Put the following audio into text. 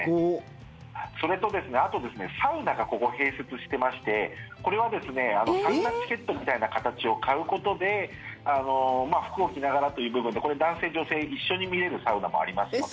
それとサウナがここ、併設してましてこれはサウナチケットみたいな形を買うことで服を着ながらという部分でこれ、男性女性一緒に見れるサウナもありますので。